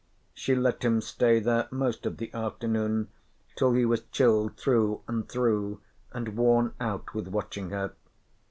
She let him stay there most of the afternoon till he was chilled through and through and worn out with watching her.